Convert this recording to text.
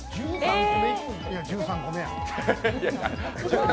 １３個目やん。